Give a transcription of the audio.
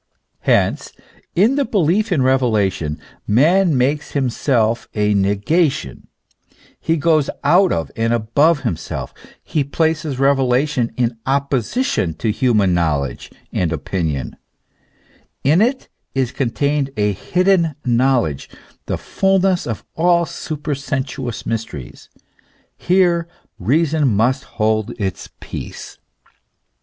Hence, in the belief in revelation man makes himself a negation, he goes out of and above himself ; he places revelation in opposition to human knowledge and opinion ; in it is contained a hidden knowledge, the fulness of all supersensuous mysteries ; here reason must hold its peace.